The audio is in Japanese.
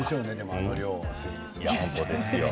あの量を整理するのは。